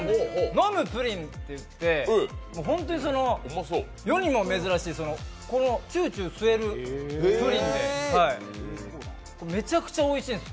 飲むプリンといって、世にも珍しいチューチュー吸えるプリンで、めちゃくちゃおいしいんです。